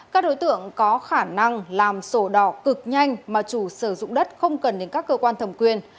các đối tượng có khả năng làm sổ đỏ cực nhanh mà chủ sử dụng đất không cần đến các cơ quan thẩm quyền